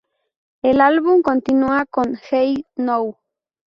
El álbum continua con "Hey Now".